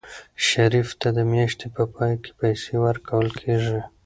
شریف ته د میاشتې په پای کې پیسې ورکول کېږي.